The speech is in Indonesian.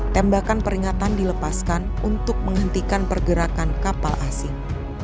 tembakan peringatan dilepaskan untuk menghentikan pergerakan kapal asing